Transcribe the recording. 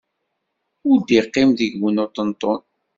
Ur d-iqqim deg-wen uṭenṭun.